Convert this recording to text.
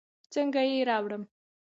څنګه يې راوړم.